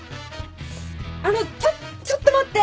あのちょちょっと待って！